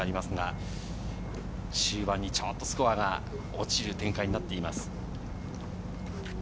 終盤にちょっとスコアが落ちる展開になっています。